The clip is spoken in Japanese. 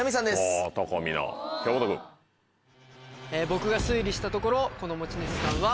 私が推理したところこの持ち主は。